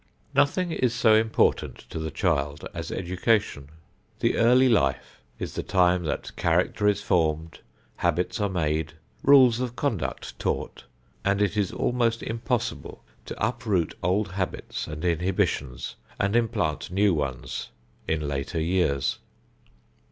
Nothing is so important to the child as education. The early life is the time that character is formed, habits are made, rules of conduct taught, and it is almost impossible to up root old habits and inhibitions and implant new ones in later years.